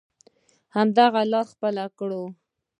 همدغه لاره خپله کړو.